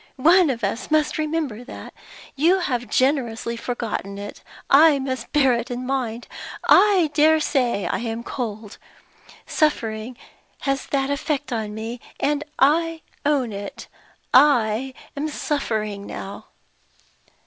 One of us must remember that. You have generously forgotten it. I must bear it in mind. I dare say I am cold. Suffering has that effect on me; and, I own it, I am suffering now."